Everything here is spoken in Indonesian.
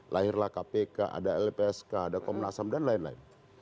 lahirlah kpk ada lpsk ada komnasam dan lain lain